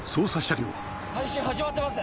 配信始まってます！